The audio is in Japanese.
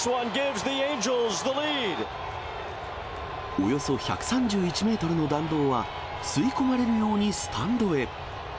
およそ１３１メートルの弾道は、吸い込まれるようにスタンドへ。